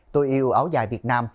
tôi yêu áo dài việt nam